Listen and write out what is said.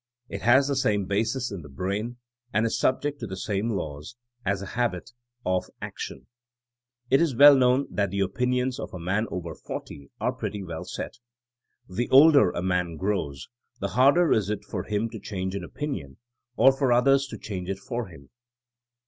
It has the same basts in the brain, and is subject to the sanje laws, as a habit of 110 THINKINO AS A SCIENCE action. It is well known that the opinions of a man over forty are pretty well set. The older a man grows, the harder it is for him to change an opinion — or for others to change it for him.